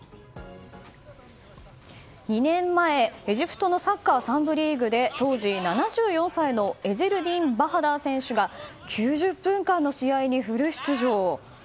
２年前、エジプトのサッカー３部リーグで当時７４歳のエゼルディン・バハダー選手が９０分間の試合にフル出場。